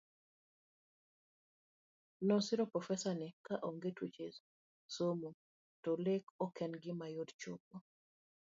Nosiro Profesa ni ka onge tweche somo to lek ok en gima yot chopo